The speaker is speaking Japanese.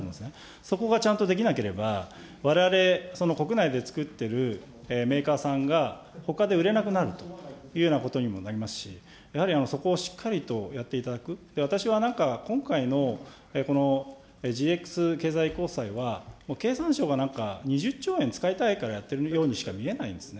そこがちゃんとできなければ、われわれ国内で作ってるメーカーさんが、ほかで売れなくなるというようなことにもなりますし、やはりそこをしっかりとやっていただく、私はなんか、今回のこのＧＸ経済公債は、経産省がなんか２０兆円使いたいからやってるようにしか見えないんですね。